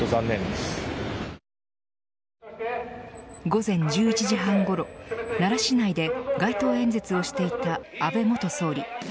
午前１１時半ごろ奈良市内で街頭演説をしていた安倍元総理。